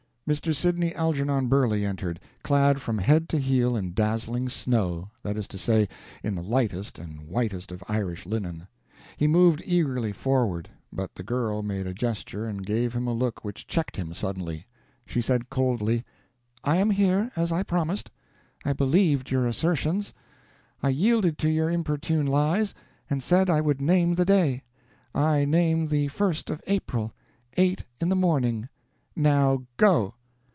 Mr. Sidney Algernon Burley entered, clad from head to heel in dazzling snow that is to say, in the lightest and whitest of Irish linen. He moved eagerly forward, but the girl made a gesture and gave him a look which checked him suddenly. She said, coldly, "I am here, as I promised. I believed your assertions, I yielded to your importune lies, and said I would name the day. I name the 1st of April eight in the morning. NOW GO!"